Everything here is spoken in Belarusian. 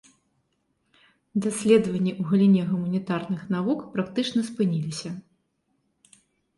Даследаванні ў галіне гуманітарных навук практычна спыніліся.